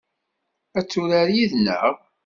Ad turar yid-neɣ?